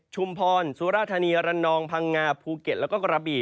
ชุมพรสุราธานีระนองพังงาภูเก็ตแล้วก็กระบี่